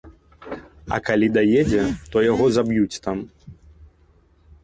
А калі даедзе, то яго заб'юць там.